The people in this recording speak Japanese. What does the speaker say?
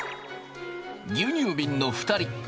牛乳びんの２人。